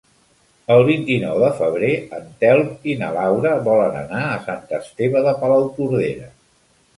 El vint-i-nou de febrer en Telm i na Laura volen anar a Sant Esteve de Palautordera.